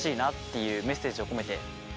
いうメッセージを込めて。